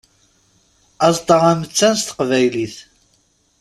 Aẓeṭṭa amettan s teqbaylit.